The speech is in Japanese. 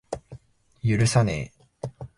許さねぇ。